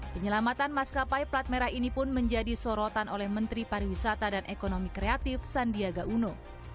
penyelamatan maskapai plat merah ini pun menjadi sorotan oleh menteri pariwisata dan ekonomi kreatif sandiaga uno